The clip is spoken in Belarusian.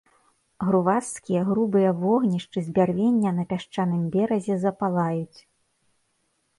Грувасткія грубыя вогнішчы з бярвення на пясчаным беразе запалаюць.